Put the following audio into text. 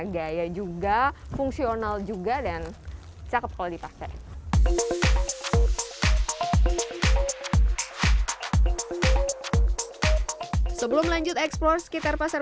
gaya juga fungsional juga dan cakep kalau dipakai sebelum lanjut eksplore sekitar pasar